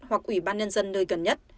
hoặc ủy ban nhân dân nơi gần nhất